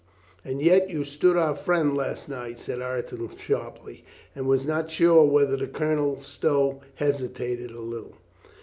"And yet you stood our friend last night," said Ireton sharply, and was not sure whether Colonel Stow hesitated a little.